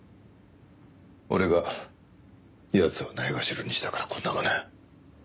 俺が奴をないがしろにしたからこんなまね。